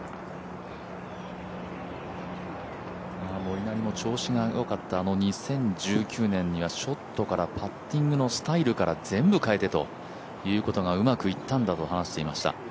モリナリも調子が良かった２０１９年にはショットからパッティングのスタイルから全部変えてうまくいったんだと話していました。